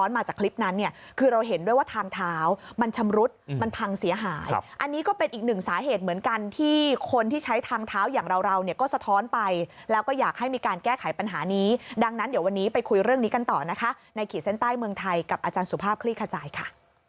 นี้ดังนั้นเดี๋ยววันนี้ไปคุยเรื่องนี้กันต่อนะคะในขีดเซ็นต์ใต้เมืองไทยกับอาจารย์สุภาพคลิปขจายค่ะ